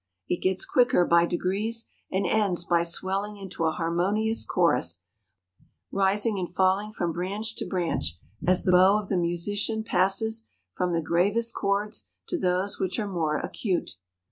It gets quicker by degrees and ends by swelling into a harmonious chorus, rising and falling from branch to branch as the bow of the musician passes from the gravest chords to those which are more acute.